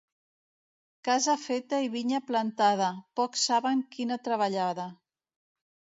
Casa feta i vinya plantada, pocs saben quina treballada.